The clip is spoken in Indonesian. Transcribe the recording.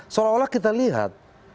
seolah olah kita lihat